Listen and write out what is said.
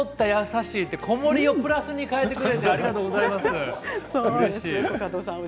こもりをプラスに変えてくれてありがとうございます。